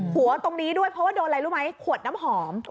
ตรงนี้ด้วยเพราะว่าโดนอะไรรู้ไหมขวดน้ำหอม